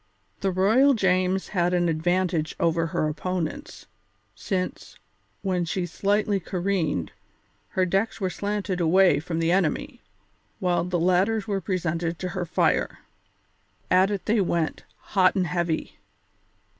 The Royal James had an advantage over her opponents, since, when she slightly careened, her decks were slanted away from the enemy, while the latter's were presented to her fire. At it they went, hot and heavy.